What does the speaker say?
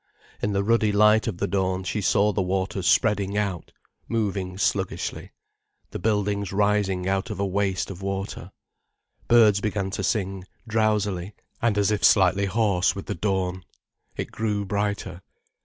In the ruddy light of the dawn she saw the waters spreading out, moving sluggishly, the buildings rising out of a waste of water. Birds began to sing, drowsily, and as if slightly hoarse with the dawn. It grew brighter.